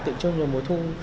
tự trông như mùa thu